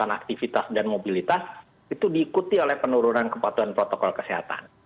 dan aktivitas dan mobilitas itu diikuti oleh penurunan kepatuhan protokol kesehatan